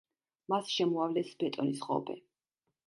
მას შემოავლეს ბეტონის ღობე.